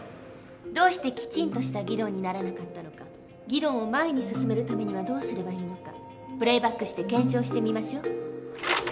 どうしてきちんとした議論にならなかったのか議論を前に進めるためにはどうすればいいのかプレーバックして検証してみましょう。